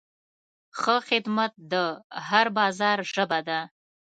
ښه خدمت د هر بازار ژبه ده.